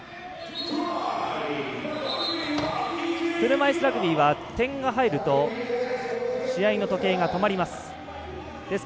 車いすラグビーは点が入ると試合の時計が止まります。